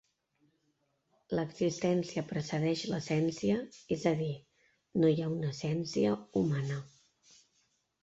L'existència precedeix l'essència, és a dir, no hi ha una essència humana.